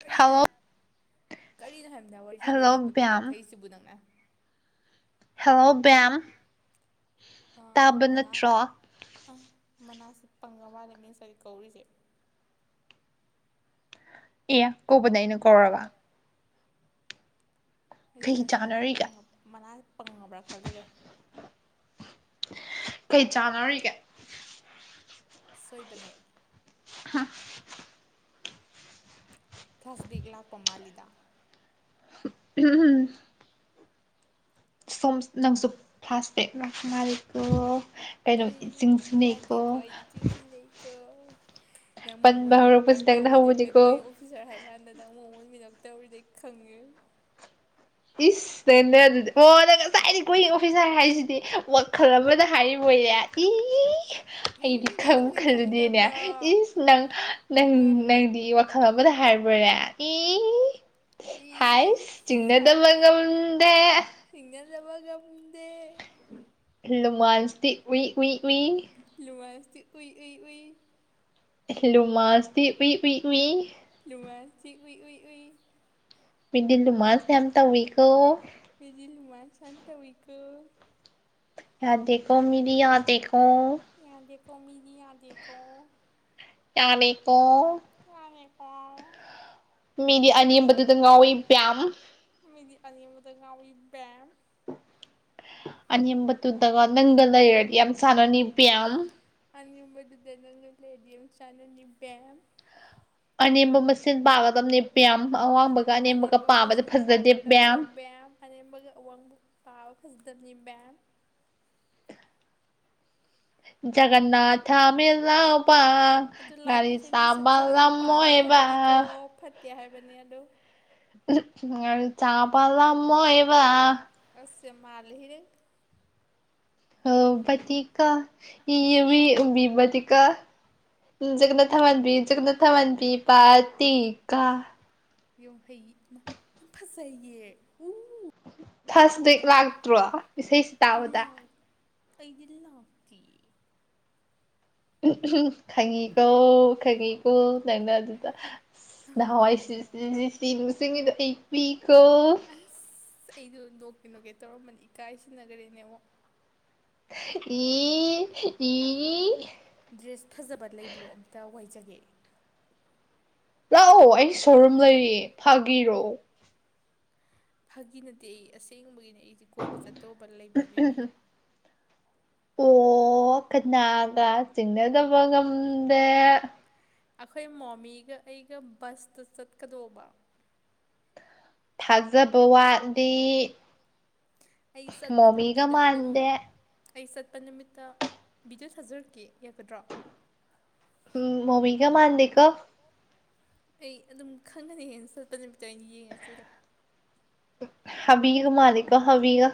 ꯀꯔꯤꯅ ꯍꯥꯏ ꯀꯔꯤꯅꯣ ꯍꯥꯏꯕꯗ ꯋꯥꯔꯤ ꯁꯥꯟꯅ ꯂꯣꯏꯅꯅꯄꯠꯄ ꯀꯥꯈꯩꯁꯤꯕꯨ ꯅꯪꯅ ꯍꯜꯂꯣ ꯕꯦꯝ ꯇꯥꯕ ꯅꯠꯇ꯭ꯔꯣ ꯑꯥ ꯃꯅꯥꯁꯦ ꯄꯪꯂꯉ ꯃꯥꯜꯂꯦꯅꯦ ꯉꯥꯁꯥꯏꯗꯩ ꯀꯧꯔꯤꯁꯦ ꯑꯦ ꯀꯧꯕꯗ ꯑꯩꯅ ꯀꯧꯔꯕ ꯑꯩꯗꯤ ꯅꯪꯁꯦ ꯃꯅꯥ ꯃꯅꯥ ꯄꯪꯉꯕ꯭ꯔꯥ ꯈꯜꯂꯨꯔꯦ ꯀꯩ ꯆꯥꯟꯅꯔꯤꯒꯦ ꯁꯣꯏꯕꯅꯦ ꯍꯥ ꯐ꯭ꯂꯥꯁꯕꯦꯛ ꯂꯥꯛꯄ ꯃꯥꯜꯂꯤꯗ ꯎꯝꯝ ꯁꯣꯝ ꯅꯪꯁꯨ ꯐ꯭ꯂꯥꯁꯇꯦꯛ ꯉꯥꯛ ꯉꯜꯂꯤ ꯁꯤ ꯌꯥꯗꯀ ꯑꯩꯗꯤ ꯆꯤꯡ ꯆꯤꯡꯅꯀ ꯅꯪ ꯃꯣꯃꯣꯏ ꯃꯤꯅꯣꯛꯀ ꯇꯧꯔꯤꯗꯦ ꯅꯣꯏ ꯑꯣꯐꯤꯁꯥꯔ ꯍꯥꯏ ꯀꯥꯟꯗ ꯅꯪ ꯃꯉꯣꯟ ꯃꯤꯗ ꯇꯧꯔꯤꯗꯩ ꯈꯪꯉꯦ ꯏꯁ ꯅꯪꯅ ꯑꯗꯨꯗꯤ ꯑꯣ ꯅꯪꯅ ꯉꯁꯥꯏꯗꯒꯤ ꯒꯣꯌꯤꯡ ꯑꯣꯐꯤꯁꯥꯔ ꯍꯥꯏꯁꯤꯗꯤ ꯋꯥꯈꯜ ꯑꯃꯗ ꯍꯥꯏꯔꯤꯕ ꯑꯣꯏꯔꯦ ꯏ ꯑꯩꯗꯤ ꯈꯪꯕꯨꯨ ꯈꯜꯂꯨꯗꯦꯅꯦ ꯏꯁ ꯅꯪ ꯅꯪ ꯅꯪꯗꯤ ꯑꯃꯗ ꯍꯥꯏꯔꯕꯣꯔꯦ ꯏ ꯍꯥꯏꯁ ꯆꯤꯡꯅ ꯂꯒꯗ [unintelligible] ꯍꯤꯡꯅꯖꯕ ꯀꯝꯗꯦ ꯂꯨꯃꯥꯟꯁꯇꯤ ꯎ ꯎꯏ ꯎꯏ ꯂꯉ ꯑꯁꯤꯦ ꯎꯏ ꯎꯏ ꯎꯏ ꯍꯂꯨꯃꯁꯗꯤ ꯎꯏ ꯎꯏ ꯎꯏ ꯅꯨꯡꯉꯥꯏꯇꯦ ꯎꯏ ꯎꯏ ꯎꯏ꯫ ꯃꯤꯗꯤ ꯂꯨꯃꯥꯁ ꯌꯥꯝ ꯇꯧꯋꯤꯀꯣ꯫ ꯃꯤꯖꯤ ꯂꯨꯃꯥꯏ ꯁꯥꯟ ꯇꯧꯏꯀ ꯌꯥꯗꯦꯀꯣ ꯃꯤꯗꯤ ꯌꯥꯗꯦꯀꯣ꯫ ꯌꯥꯗꯦꯀꯣ ꯃꯤꯗꯤ ꯌꯥꯥꯗꯦꯀꯣ꯫ ꯇꯥꯃꯀꯣ ꯌꯥꯅꯤꯀꯣ ꯃꯤꯗꯤ ꯑꯅꯦꯝꯕꯗꯨꯗ ꯉꯥꯎꯋꯤ ꯕꯦꯝ꯫ ꯃꯤꯗꯤ ꯑꯅꯦꯝꯕꯗ ꯅꯥꯎꯏ ꯕꯦꯝ꯫ ꯑꯅꯤ ꯑꯝꯕ ꯇꯨꯗꯒ ꯅꯪꯒꯜꯗꯗꯤ ꯌꯥꯝ ꯁꯥꯟꯅꯅꯤꯞꯄꯤ ꯌꯥꯝ [unintelligible] ꯆꯥꯟꯅꯅꯤ ꯕꯦꯝ꯫ [unintelligible] ꯄꯥꯒꯗꯕꯅꯤ ꯕꯦꯝ꯫ ꯑꯅꯦꯝꯕꯒ ꯑꯋꯥꯡꯕ ꯄꯥꯕ ꯐꯖꯗꯝꯕꯅꯤ ꯕꯦꯝ [unintelligible] ꯑꯗꯨ ꯂꯥꯏꯒꯤ ꯏꯁꯩꯅꯤ ꯁꯛꯆꯒꯅꯨ ꯄꯥꯜꯂꯤ ꯍꯥꯏꯕꯅꯤ ꯀꯣ ꯐꯠꯇꯦ ꯍꯥꯏꯕꯅꯤ ꯑꯗꯨ ꯉꯥꯔꯤ ꯆꯥꯕꯥ ꯂꯝꯕꯣꯏꯕꯥ ꯑꯁ ꯌꯥꯝ ꯃꯥꯜꯂꯦꯍꯦ ꯍꯣ ꯕꯥꯇꯤꯀꯥ [unintelligible] ꯀꯥ ꯖꯒꯅꯥꯊꯥ ꯃꯥꯟꯕꯤ ꯖꯒꯅꯥꯊꯥ ꯃꯥꯟꯕꯤ ꯄꯇꯤꯀꯥ ꯌꯥꯝ ꯍꯩ ꯢꯃꯥ ꯌꯥꯝ ꯐꯖꯩꯌꯦ ꯎ [unintelligible] ꯐꯂꯥ꯭ꯁꯕꯦꯛ ꯂꯥꯛꯇ꯭ꯔꯣ ꯏꯁꯩꯁꯤ ꯂꯥꯛ ꯑꯩꯗꯤ ꯂꯥꯛꯇꯦꯌꯦ ꯎꯝ ꯎꯝ ꯈꯪꯉꯤ꯫ ꯀꯣ ꯈꯪꯉꯤ ꯀꯣ ꯅꯪꯅ ꯑꯗꯨꯗ ꯅꯍꯥꯟꯋꯥꯏ [unintelligible] ꯇꯤꯟꯁꯤꯡꯗ ꯑꯩ ꯄꯤꯈꯣ ꯑꯁ ꯑꯩꯗꯣ ꯅꯣꯛꯀꯦ ꯅꯣꯛꯀꯦ ꯇꯧꯔꯝꯕꯅꯤ ꯏꯀꯥꯏ ꯁꯤꯟꯅꯈ꯭ꯔꯦꯅꯦ ꯑꯃꯛ ꯏ ꯏ ꯗ꯭ꯔꯦꯁ ꯐꯖꯕ ꯂꯩꯕ꯭ꯔꯣ ꯑꯝꯇ ꯋꯥꯏꯖꯒꯦ ꯂꯥꯛꯑꯣ ꯑꯩ ꯁꯣꯔꯨꯝ ꯂꯩꯔꯤꯌꯦ ꯐꯥꯒꯤꯔꯣꯑꯣ ꯐꯥꯒꯤ ꯅꯠꯇꯦ ꯑꯩ ꯑꯁꯦꯡꯕꯒꯤꯅꯦ ꯑꯩꯁꯦ ꯀꯣꯏꯕ ꯆꯠꯇꯧꯕ ꯂꯩꯕ ꯑꯗꯨꯏꯅꯦ ꯑꯣ ꯀꯅꯥꯒ ꯆꯤꯡꯅꯗꯕ ꯉꯝꯗꯦ ꯑꯩꯈꯣꯏ ꯃꯣꯃꯤꯒ ꯑꯩꯒ ꯕꯁꯇ ꯆꯠꯀꯗꯧꯕ꯫ ꯊꯥꯖꯕ ꯋꯥꯠꯂꯤ ꯑꯩ ꯆꯠꯄ ꯅꯨꯃꯤꯠꯇꯨꯗ ꯑꯗꯨꯝ ꯑꯩ ꯆꯠꯄ ꯅꯨꯃꯤꯠꯇ ꯕꯤꯗꯤꯑꯣ ꯊꯥꯖꯔꯛꯀꯦ ꯌꯥꯒꯗ꯭ꯔꯣ ꯎꯝ ꯃꯣꯃꯤꯒ ꯃꯥꯥꯟꯗꯦꯀꯣ ꯑꯩ ꯑꯗꯨꯝ ꯈꯪꯒꯅꯤ ꯍꯌꯦꯡ ꯆꯠꯄ ꯅꯨꯃꯤꯠꯇ ꯑꯣꯏꯅ ꯌꯦꯡꯉꯁꯤꯗꯣ ꯍꯥꯕꯤꯒ ꯃꯥꯂꯒꯣ ꯍꯥꯕꯤꯒ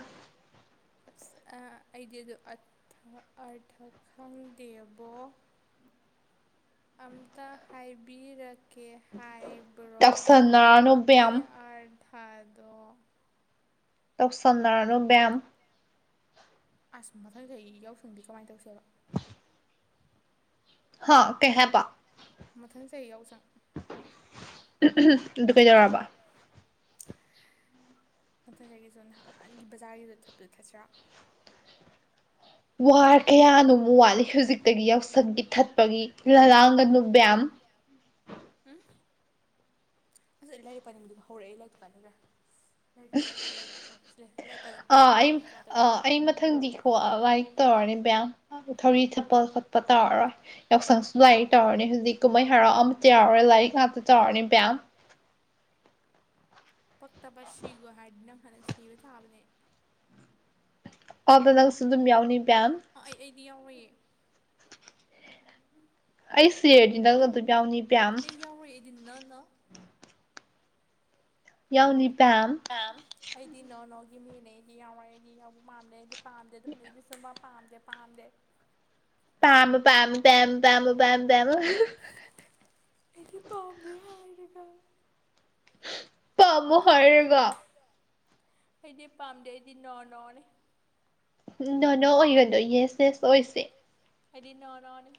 ꯑꯁ ꯑ ꯑꯩꯗꯤ ꯑꯗꯨ ꯑꯥꯔ ꯑꯥꯔꯊ ꯈꯪꯗꯦꯕꯣ ꯑꯝꯇ ꯍꯥꯏꯕꯤꯔꯛꯀꯦ ꯍꯥꯏ ꯕ꯭ꯔꯣ ꯑꯗꯨꯒꯤ ꯑꯥꯔꯊꯗꯣ ꯇꯧꯁꯟꯅꯔꯅꯨ ꯕꯦꯝ ꯑꯁ ꯃꯊꯪ ꯆꯍꯤ ꯌꯥꯎꯁꯪꯗꯤ ꯀꯃꯥꯏꯅ ꯇꯧꯁꯦꯕ ꯍꯥꯥ ꯀꯩꯍꯥꯏꯄꯥ [unintelligible] ꯑꯗꯣ ꯀꯩꯗꯧꯔꯕ꯫ ꯃꯊꯪ ꯆꯍꯤꯒꯤꯁꯨ ꯅꯍꯥꯟꯒꯤ ꯕꯖꯥꯔꯒꯤꯗ ꯊꯠꯄꯗꯨ ꯊꯠꯁꯤꯔꯥ ꯋꯥꯔ ꯀꯌꯥꯅꯣꯝ ꯋꯥꯠꯂꯤ ꯍꯧꯖꯤꯛꯇꯒꯤ ꯌꯥꯎꯁꯪꯒꯤ ꯊꯠꯄꯒꯤ ꯂꯂꯥꯡꯒꯅꯨ ꯕꯦꯝ ꯎꯝ ꯑꯁ ꯑꯩ ꯂꯥꯏꯔꯛ ꯄꯥꯅꯤꯡꯕꯥꯗꯨ ꯍꯧꯔꯛꯑꯦ ꯑꯩ ꯂꯥꯏꯔꯤꯛꯇꯨ ꯀꯥꯏ ꯂꯩꯒ꯭ꯔꯦ ꯂꯥꯏꯔꯤꯛꯇꯨ ꯂꯥꯏꯔꯤꯛꯇꯨ ꯂꯥꯏꯔꯤꯛꯇꯨ ꯑꯣ ꯁꯤ ꯂꯩꯔꯦ ꯂꯥꯏꯔꯤꯛ ꯂꯥꯏꯔꯤꯛ ꯄꯥꯅꯤꯡꯉꯦ ꯀꯃꯥꯏ ꯇꯧꯅꯤ ꯑꯩꯗꯤ꯫ ꯃꯊꯪꯗꯤꯀꯣ ꯂꯥꯏꯔꯤꯛ ꯇꯧꯔꯅꯤ ꯕꯦꯝ ꯊꯧꯔꯤ ꯊꯠꯄ ꯈꯣꯠꯄ ꯇꯧꯔꯔꯣꯏ ꯌꯥꯎꯁꯪꯁꯨ ꯂꯥꯏꯔꯤꯛ ꯇꯧꯔꯅꯤ ꯍꯧꯖꯤꯛ ꯀꯨꯝꯍꯩ ꯍꯔꯥꯎ ꯑꯃꯠꯇ ꯌꯥꯎꯔꯔꯦ ꯂꯥꯏꯔꯤꯛ ꯉꯥꯛꯇ ꯇꯧꯔꯅꯤ ꯕꯦꯝ ꯄꯛꯇꯕ ꯁꯤꯒꯣ ꯍꯥꯏꯔꯗꯤ ꯅꯪ ꯍꯥꯟꯅ ꯁꯤꯕ ꯇꯥꯕꯅꯤ꯫ ꯑꯗꯨꯗꯥ ꯅꯪꯁꯨ ꯑꯗꯨꯝ ꯌꯥꯎꯅꯤ ꯕꯦꯝ꯫ ꯑꯥ ꯑꯩ ꯑꯩꯗꯤ ꯌꯥꯎꯔꯣꯏꯌꯦ ꯑꯩ ꯁꯤꯔꯗꯤ ꯅꯪꯁꯨ ꯑꯗꯨꯝ ꯌꯥꯎꯅꯤ ꯕꯦꯝ [unintelligible] ꯅꯣ ꯅꯣ ꯌꯥꯎꯅꯤ ꯕꯦꯝ꯫ ꯑꯩꯗꯤ ꯅꯣ ꯅꯣꯒꯤ ꯃꯤꯅꯦ ꯑꯩꯗꯤ ꯌꯥꯎꯔꯣꯏ ꯑꯩꯗꯤ ꯌꯥꯎꯕ ꯄꯥꯝꯗꯦ ꯑꯩꯗꯤ ꯄꯥꯝꯗꯦ ꯑꯗꯨꯝ [unintelligible] ꯁꯨꯡꯄꯥꯝ ꯄꯥꯝꯗꯦ ꯄꯥꯝꯗꯦ꯫ ꯄꯥꯝ ꯄꯥꯝ ꯇꯝ ꯄꯥꯃ ꯄꯥꯝ [unintelligible] ꯑꯩꯗꯤ ꯄꯥꯝꯗꯦ ꯍꯥꯏꯔꯒ ꯄꯥꯝꯃꯣ ꯍꯥꯏꯔꯒ ꯑꯩꯗꯤ ꯄꯥꯝꯗꯦ ꯑꯩꯗꯤ ꯅꯣ ꯅꯣ ꯅꯤ ꯅꯣ ꯅꯣ ꯑꯣꯏꯒꯥꯅꯣ ꯌꯦꯁ ꯌꯦꯁ ꯑꯣꯏꯁꯦ ꯑꯩꯗꯤ ꯅꯣ ꯅꯣ ꯅꯤ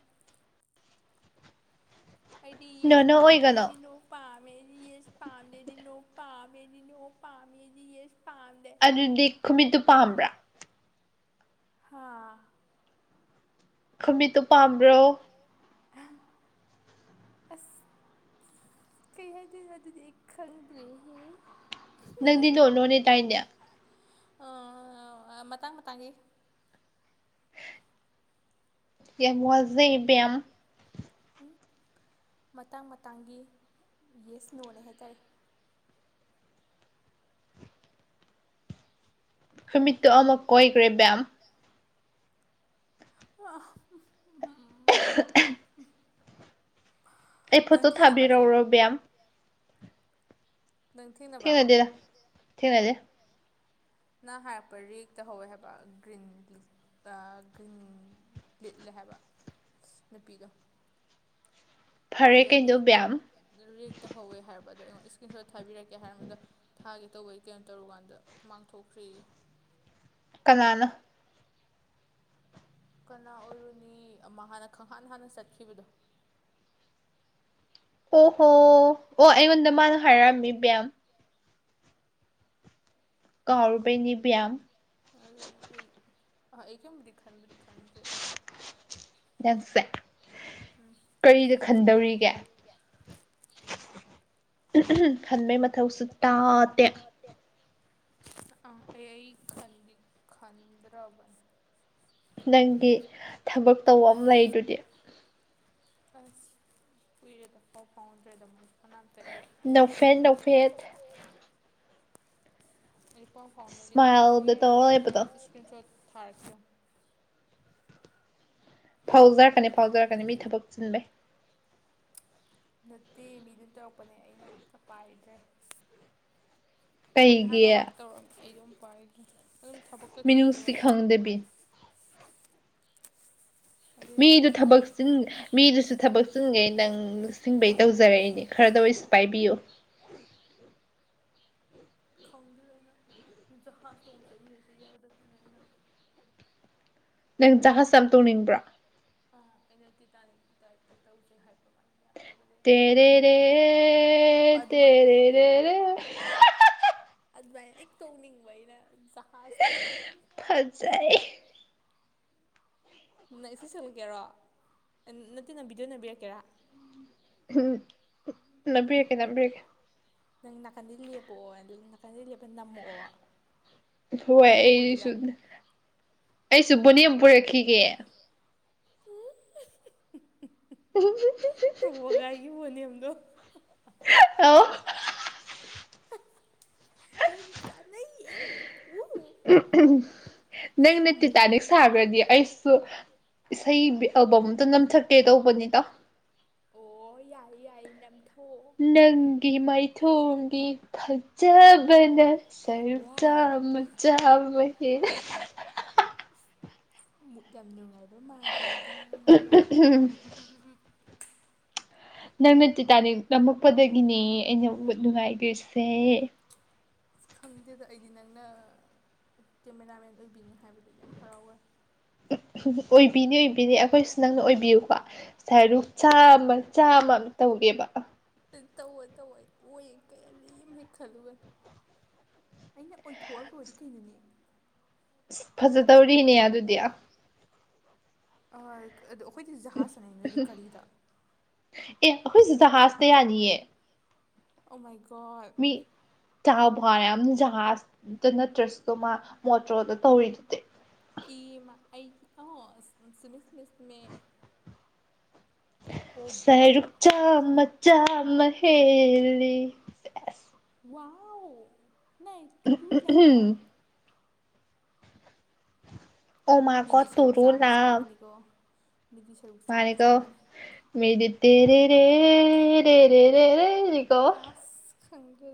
ꯑꯩꯗꯤ ꯌꯦꯁ ꯄꯥꯝꯗꯦ ꯑꯩꯗꯤ ꯅꯣ ꯄꯥꯃꯦꯗꯤ ꯌꯦꯁ ꯄꯥꯟꯗꯦꯗꯤ ꯅꯣ ꯄꯥꯃꯦꯗꯤ ꯅꯣ ꯄꯥꯃꯤꯗꯤ ꯌꯦꯁ ꯄꯥꯝ ꯑꯗꯨꯗꯤ ꯈꯨꯃꯤꯠꯇꯨ ꯄꯥꯝꯕ꯭ꯔꯥ ꯍꯥꯥ ꯈꯕꯤꯠꯇꯨ ꯄꯥꯝꯕ꯭ꯔꯣ [unintelligible] ꯑꯁ [unintelligible] ꯀꯩ ꯍꯥꯏꯗꯣꯢꯅꯣ ꯑꯗꯨꯗꯤ ꯑꯩ ꯈꯪꯗꯔꯦꯍꯦ ꯅꯪꯗꯤ ꯅꯣ ꯅꯣꯅꯦ ꯇꯥꯏꯅꯦ ꯑ [unintelligible] ꯃꯇꯥꯡ ꯃꯇꯥꯡꯒꯤ ꯌꯥꯝ ꯋꯥꯖꯩ ꯕꯦꯝ ꯃꯇꯥꯡ ꯃꯇꯥꯡꯒꯤ ꯌꯦꯁ ꯅꯣꯅꯦ ꯍꯥꯏꯇꯥꯔꯦ ꯈꯨꯨꯃꯤꯠꯇꯣ ꯑꯃ ꯀꯣꯏꯈꯒ꯭ꯔꯦ ꯕꯦꯝ [unintelligible] ꯑꯩ ꯐꯣꯇꯣ ꯊꯥꯕꯤꯔꯛꯎꯔꯣ ꯕꯦꯝ ꯅꯪ ꯊꯦꯡꯅꯕ꯭ꯔꯕ [unintelligible] ꯅ ꯍꯥꯏꯔꯛꯄ ꯔꯦꯛꯇ ꯍꯧꯋꯦ ꯍꯥꯏꯕ ꯒ꯭ꯔꯤꯟ ꯂꯤ ꯒ꯭ꯔꯤꯟ ꯂꯤꯠꯂꯦ ꯍꯥꯏꯕ ꯅꯨꯄꯤꯗꯣ ꯑꯗ ꯔꯦꯛ ꯔꯦꯛꯇ ꯍꯧꯋꯦ ꯍꯥꯏꯔꯕ ꯑꯗꯣ ꯑꯩꯉ ꯏꯁꯀ꯭ꯔꯤꯟ ꯁꯣꯠ ꯊꯥꯕꯤꯔꯛꯀꯦ ꯍꯥꯏꯔꯝꯕꯗꯣ ꯊꯥꯒꯦ ꯇꯧꯕꯩ ꯀꯩꯅꯣ ꯇꯧꯔꯨ ꯀꯥꯟꯗ ꯃꯥꯡꯊꯣꯛꯈ꯭ꯔꯦ ꯀꯅꯥꯅ ꯀꯅꯥ ꯑꯣꯏꯔꯨꯅꯤ ꯑꯃ ꯍꯥꯟꯅ ꯈꯪꯍꯥꯟ ꯍꯥꯟꯅ ꯆꯠꯈꯤꯕꯗꯣ ꯑꯣ ꯍꯣ ꯑꯣ ꯑꯩꯉꯣꯟꯗ ꯃꯥꯅ ꯍꯥꯏꯔꯛꯑꯝꯃꯤ ꯕꯦꯝ ꯀꯥꯎꯔꯨꯕꯩꯅꯤ ꯕꯦꯝ ꯑꯗꯨꯅꯦ ꯑꯩ ꯑ ꯑꯩ ꯀꯩꯏꯝꯕꯨꯗꯤ ꯈꯟꯕꯨꯗꯤ ꯈꯟꯗ꯭ꯔꯦ ꯅꯪꯁꯦ ꯀꯔꯤꯗ ꯈꯟꯗꯧꯔꯤꯒꯦ [unintelligible] ꯊꯟꯕꯩ ꯃꯊꯧꯁꯨ ꯇꯥꯗꯦ ꯑ ꯑꯩꯏ ꯈꯟꯗꯤ ꯈꯟꯗ꯭ꯔꯕꯟ ꯅꯪꯗꯤ ꯊꯕꯛ ꯇꯧꯕ ꯑꯃ ꯂꯩꯗꯨꯗꯤ ꯑꯁ ꯀꯨꯏꯔꯦꯗ ꯄꯥꯎ ꯐꯥꯎꯗ꯭ꯔꯦꯗ ꯃꯣꯏ [unintelligible] ꯑꯩ ꯄꯥꯎ ꯐꯥꯎꯅꯈꯤꯗ ꯀꯨꯏꯔꯦ ꯑꯩ ꯍꯣꯔꯦꯟ ꯁ꯭ꯀꯤꯟ ꯁꯣꯠ ꯊꯥꯔꯛꯀꯦ ꯌꯦꯡꯉꯨ ꯐꯥꯎꯖꯔꯛꯀꯅꯤ ꯐꯥꯎꯖꯔꯛꯀꯅꯤ ꯃꯤ ꯊꯕꯛ ꯆꯤꯟꯕꯩ ꯅꯠꯇꯦ ꯃꯤꯗꯨ ꯇꯧꯔꯛꯄꯅꯦ ꯑꯩꯅ ꯑꯝꯇ ꯄꯥꯏꯗ꯭ꯔꯦ ꯅꯍꯥꯟ ꯃꯃꯥꯡ ꯇꯧꯔꯝ ꯑꯩꯗꯣ ꯑꯗꯨꯝ ꯄꯥꯏꯗ꯭ꯔꯦ ꯑꯗꯨꯝ ꯊꯕꯛ ꯃꯤꯅꯨꯡꯁꯤ ꯈꯪꯗꯕꯤ ꯃꯤꯗꯨ ꯊꯕꯛ ꯆꯤꯟ ꯃꯤꯗꯨꯁꯨ ꯊꯕꯛ ꯁꯤꯡꯉꯦ ꯅꯪ ꯅꯤꯡꯁꯤꯡꯕꯩ ꯇꯧꯖꯔꯛꯏꯅꯦ ꯈꯔꯗ ꯑꯣꯏꯁꯨ ꯄꯥꯏꯕꯤꯌꯨ ꯈꯪꯗꯗ ꯑꯩꯅ ꯖꯍꯥꯖꯇꯣꯡꯕ ꯆꯠꯃꯤꯟꯅꯁꯦ ꯌꯥꯗꯅꯤꯅ ꯑꯩꯅ ꯅꯪ ꯖꯍꯥꯆ ꯑꯃ ꯇꯧꯅꯤꯡꯕ꯭ꯔꯣ ꯑ ꯑꯩꯅ ꯇꯤꯇꯥꯅꯤꯛꯀꯤ ꯇꯥꯏꯞꯇ ꯇꯧꯖꯦ ꯍꯥꯏꯕꯃꯥꯏꯅ ꯌꯥꯝꯗꯕꯗ ꯑꯩꯅ ꯄꯥꯏꯗꯕ [unintelligible] ꯑꯗꯨꯃꯥꯏꯅ ꯑꯗꯨꯃꯤꯟ [unintelligible] ꯇꯧꯅꯤꯡꯕ ꯑꯩꯅꯥ ꯖꯥꯍꯖꯇꯥ ꯐꯖꯩ ꯅꯪ ꯏꯁꯩ ꯁꯛꯂꯛꯀꯦꯔꯣ ꯅꯠꯇꯦ ꯅꯪ ꯕꯤꯗꯤꯑꯣ ꯅꯕꯤꯔꯛꯀꯦꯔꯥ ꯅꯝꯕꯤꯔꯛꯀꯦ ꯅꯝꯕꯤꯔꯛꯒꯦ ꯅꯪ ꯅꯥꯀꯟꯗꯩꯩ ꯂꯦꯞꯄꯛꯑꯣ ꯅꯥꯀꯟꯗꯩ ꯂꯦꯞꯄ ꯅꯝꯃꯛꯑꯣ ꯍꯣꯏ ꯑꯩꯁꯨ ꯑꯩꯁꯨ ꯕꯣꯅ ꯄꯨꯔꯛꯈꯤꯒꯦ ꯍ ꯋꯥꯒꯥꯏꯒꯤ ꯃꯣꯅꯦꯝꯗꯣ ꯑ ꯌꯛꯇ ꯅꯌꯦ ꯎ ꯅꯪꯅ ꯇꯤꯇꯥꯅꯤꯛ ꯁꯥꯈ꯭ꯔꯗꯤ ꯑꯩꯁꯨ ꯏꯁꯩ ꯑꯦꯜꯕꯝ ꯑꯝꯇ ꯅꯝꯊꯛꯀꯦ ꯇꯧꯕꯅꯤꯗ ꯑꯣ ꯌꯥꯏ ꯌꯥꯏ ꯅꯝꯊꯣꯛꯑꯣ ꯅꯪꯒꯤ ꯃꯥꯏꯊꯣꯡꯒꯤ ꯐꯖꯕꯅ ꯁꯔꯨꯛꯆꯥ ꯃꯆꯥꯃ ꯍꯦ ꯑꯃꯨꯛ ꯌꯥꯝ ꯅꯨꯡꯉꯥꯏꯕ ꯃꯥꯜꯂꯤꯗ [unintelligible] ꯅꯪꯅ ꯇꯤꯇꯥꯥꯅꯤꯛ ꯅꯝꯃꯛꯄꯗꯒꯤꯅꯤ ꯑꯩꯅ ꯎꯅꯨꯡꯉꯥꯏꯒ꯭ꯔꯤꯁꯦ ꯑꯁ ꯈꯪꯗꯦꯗ ꯑꯩꯗꯤ ꯅꯪꯅ ꯀꯦꯃꯦꯔꯥꯃꯦꯟ ꯑꯣꯏꯕꯤꯅꯤ ꯍꯥꯏꯕꯗ ꯌꯥꯝ ꯍꯔꯥꯎꯋꯦ ꯑꯣꯏꯕꯤꯅꯤ ꯑꯣꯏꯕꯤꯅꯤ ꯑꯩꯈꯣꯏꯁꯨ ꯅꯪꯅ ꯑꯣꯏꯕꯤꯌꯨꯀꯣ ꯁꯔꯨꯛ ꯆꯥꯃ ꯆꯥꯝꯃ ꯑꯃ ꯇꯧꯋꯦꯕ ꯇꯧꯋꫭ ꯇꯧꯋꫭ ꯑꯩ ꯑꯣꯏꯌꯦ ꯀꯔꯤꯝ ꯍꯦꯛ ꯈꯜꯂꯨꯒꯟ ꯑꯩꯅ ꯑꯣꯏꯊꯣꯛꯑ ꯂꯣꯏꯔꯦ ꯀꯩꯅꯣꯅꯦ ꯑꯁ ꯐꯖꯗꯧꯔꯤꯅꯦ ꯑꯗꯨꯗꯤ ꯑ ꯑꯥ ꯑꯗꯣ ꯑꯩꯈꯣꯏꯗꯤ ꯖꯍꯥꯖ ꯆꯥꯟꯅꯩ ꯅꯣꯏꯗꯤ ꯀꯔꯤꯗ ꯑꯦ ꯑꯩꯈꯣꯏꯁꯨꯦ ꯖꯍꯥꯖꯇ ꯌꯥꯅꯤꯌꯦ ꯑꯣꯃꯥꯏꯒꯠ ꯆꯥ ꯕ ꯌꯥꯝꯅ ꯖꯍꯥꯖꯇ ꯅꯠꯇ꯭ꯔꯁꯨꯣ ꯃꯥ ꯃꯣꯇ꯭ꯔꯣꯗ ꯇꯧꯔꯤꯗꯨꯗꯤ ꯏ ꯑꯩꯗꯤ ꯑ ꯁꯤꯃꯤꯁꯃꯤꯁꯃꯦ ꯁꯔꯨꯛꯆꯥ ꯃꯆꯥ ꯃꯍ ꯍꯦꯜꯂꯤ ꯋꯥꯑꯣ ꯅꯅꯥ ꯇꯨꯔꯨ ꯂ ꯃꯤꯗꯤ ꯁꯔꯨꯛ ꯆꯥ ꯃꯆꯥ ꯑꯃꯅꯤꯀꯣ ꯃꯤꯗꯤ ꯁ ꯃꯥꯅꯤ ꯀꯣ ꯃꯤꯗꯤꯇꯔꯤ ꯔꯦꯦꯦ ꯔꯦ ꯑ ꯈꯪ ꯗ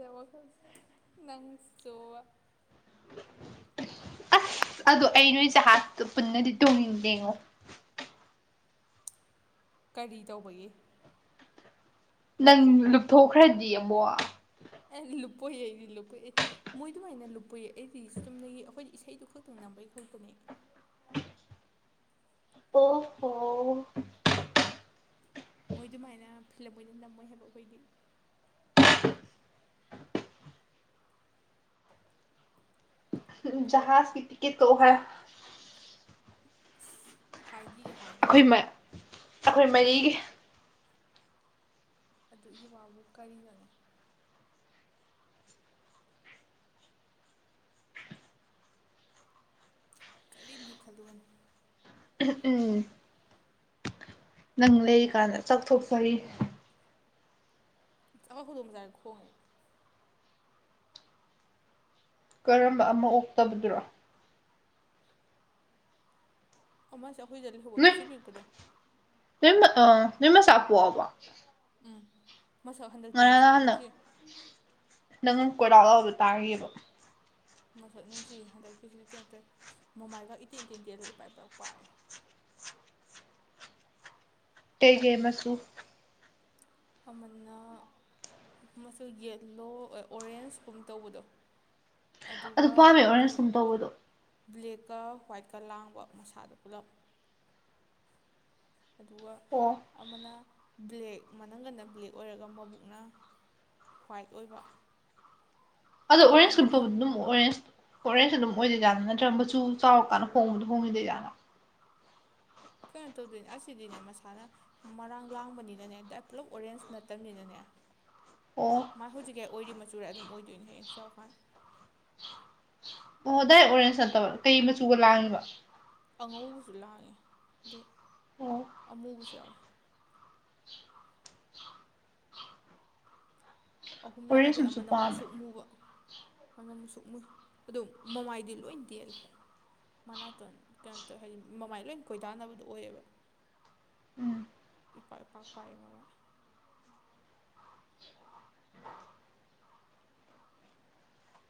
ꯅꯟꯁꯨꯇꯣ ꯑꯗꯣ ꯑꯩ ꯅꯣꯏꯁꯦ ꯍꯥ ꯄꯨꯟꯅꯗꯤ ꯇꯣꯡꯅꯤꯡꯟꯗꯦꯉꯣ ꯀꯔꯤ ꯇꯧꯕꯒꯦ ꯅꯪ ꯂꯨꯞꯊꯣꯛꯈ꯭ꯔꯗꯤ ꯑꯃꯨꯛ ꯑꯦ ꯂꯨꯄꯣꯛꯑꯗꯤ ꯂꯨꯄꯣꯛꯑ ꯃꯣꯏ ꯑꯗꯨꯃꯥꯏꯅ ꯂꯨꯞꯄꯨꯏ ꯑꯩꯗꯤ ꯆꯨꯝꯅꯗꯒꯤ ꯑꯩꯈꯣꯏꯅ ꯏꯁꯩꯗꯨ ꯈꯛꯇꯪ ꯅꯝꯕꯩ ꯈꯛꯇꯅꯦ [unintelligible] ꯑꯣꯍꯣ ꯃꯣꯏ ꯑꯗꯨꯃꯥꯏꯅ ꯐꯤꯂꯝ ꯑꯣꯏꯅ ꯅꯝꯃꯣꯏ ꯍꯥꯏꯕ ꯑꯩꯈꯣꯏꯗꯤ ꯖꯍꯥ ꯄꯤꯇꯀꯦ ꯇꯣꯍ ꯑꯁ ꯍꯥꯏꯈꯤꯒꯦ ꯍꯥꯏꯈꯤꯒꯦ ꯑꯩꯈꯣꯏ ꯃꯔꯤꯒꯤ ꯑꯗꯨꯒꯤ ꯋꯥꯕꯨ ꯀꯔꯤꯅꯣꯅꯦ ꯀꯔꯤꯝ ꯍꯦꯛ ꯈꯜꯂꯨꯒꯅꯣ ꯝ ꯎꯝ ꯅꯪ ꯂꯩꯔꯤ ꯀꯥꯟꯗ ꯆꯥꯛꯊꯣꯛꯆꯔꯤ ꯆ ꯍꯧꯗꯣꯡꯕ ꯆꯥꯔꯦ ꯈꯣꯡꯉꯦ ꯀꯔꯝꯕ ꯑꯃ ꯑꯣꯛꯇꯕꯗꯨꯔꯣ ꯑꯃ ꯆꯦ ꯑꯩꯈꯣꯏꯗ ꯂ ꯍꯧꯕ ꯄꯤꯁ ꯄꯤꯛꯕꯗꯣ ꯎꯝ ꯉꯔꯥꯡ ꯅꯍꯥꯟꯅ ꯅꯪ ꯀꯣꯏꯔꯥꯛꯂꯕ ꯇꯥꯔꯤꯌꯦꯕ ꯃꯁꯛ ꯅꯨꯡꯁꯤ ꯍꯟꯗꯛꯀꯤꯁꯤꯗꯤ ꯀꯩꯅꯣ ꯇꯧꯋꯦ ꯃꯃꯥꯏꯒ ꯏꯇꯦꯟ ꯏꯇꯦꯟ ꯇꯦꯜꯂ ꯏ ꯄꯥꯏꯄ ꯄꯥꯏꯑꯦ ꯦ ꯒꯦꯃꯁꯨ ꯑꯃꯅ ꯃꯆ ꯌꯦꯂꯣ ꯑꯣꯔꯦꯟꯖꯀꯨꯝ ꯇꯧꯕꯗꯣ ꯑꯗꯨꯒ ꯕ꯭ꯂꯦꯛꯀ ꯍ꯭ꯋꯥꯏꯠꯀ ꯂꯥꯡꯕ ꯃꯁꯥꯗ ꯄꯨꯂꯞ ꯑꯗꯨꯒ ꯑꯣ ꯑꯃꯅ ꯕ꯭ꯂꯦꯛ ꯃꯅꯪꯒꯟꯅ ꯕ꯭ꯂꯦꯛ ꯑꯣꯏꯔꯒ ꯃꯕꯨꯛꯅ ꯍ꯭ꯋꯥꯏꯠ ꯑꯣꯏꯕ ꯑꯗꯣ ꯑꯣꯔꯦꯟꯖꯠꯄ ꯑꯗꯨꯝ ꯑꯣꯔꯦꯟꯖ ꯍꯣꯔꯦꯟꯁ ꯑꯗꯨꯝ ꯑꯣꯏꯣꯏꯖꯠꯅ ꯅꯠꯇ꯭ꯔꯒ ꯃꯆꯨ ꯆꯥꯎꯔꯀꯥꯟꯗ ꯍꯣꯡꯕꯗꯣ ꯍꯣꯡꯉꯤꯗꯣꯏꯖꯥꯠꯅ ꯀꯩꯅꯣ ꯇꯧꯗꯣꯏꯅꯦ ꯑꯁꯤꯗꯤꯅꯦ ꯃꯁꯥꯅ ꯃꯔꯥꯡ ꯂꯥꯡꯕꯅꯤꯅꯅꯦ ꯑꯗꯨꯗꯥ ꯄꯨꯂꯞ ꯑꯣꯔꯦꯟꯖ ꯅꯠꯇꯕꯅꯤꯅꯅꯦ ꯑꯣ ꯃꯥꯥꯏ ꯍꯧꯖꯤꯛꯀꯤ ꯑꯣꯏꯗꯔꯤ ꯃꯆꯨꯨꯔ ꯑꯗꯨꯝ ꯑꯣꯏꯗꯣꯏꯅꯦ ꯍꯌꯦꯡ ꯆꯥꯎꯀꯥꯟ ꯑꯣ ꯑꯗꯥꯏ ꯑꯣꯔꯦꯟꯖ ꯅꯠꯇꯕ ꯀꯩ ꯃꯆꯨꯒ ꯂꯥꯡꯅꯤꯕ ꯑꯉꯧꯕꯁꯨ ꯂꯥꯡꯉꯦ ꯑꯗꯩ ꯑꯃꯨꯕꯁꯨ ꯌꯥꯎꯋꯦ ꯑꯍꯨꯝꯂꯛꯑꯗꯤꯩ ꯑꯃꯅ ꯃꯨꯁꯨꯛ ꯃꯨꯕ ꯍꯅꯝ ꯑꯃꯨꯛ ꯁꯨꯛꯃꯨꯏ ꯑ ꯃꯃꯥꯏꯗꯤ ꯂꯣꯏ ꯇꯦꯜꯜꯂꯤ ꯃꯅꯥꯇꯣꯟ ꯀꯩꯅꯣ ꯇꯧꯋ ꯍꯥꯏꯗꯤ ꯃꯃꯥꯏ ꯂꯣꯏ ꯀꯣꯏꯗꯥꯅꯕꯗꯣ ꯑꯣꯏꯌꯦꯕ ꯏꯄꯥ ꯏꯄꯥꯛꯄꯏ ꯃꯃꯥꯏ